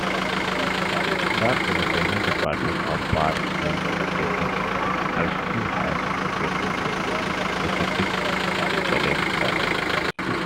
The California Department of Parks and Recreation also has locations in Pacific Palisades.